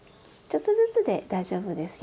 ちょっとずつで大丈夫です。